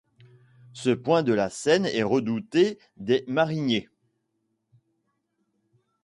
Ce point de la Seine est redouté des mariniers.